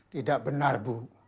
tidak benar bu